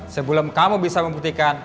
sebelum kamu bisa membuktikan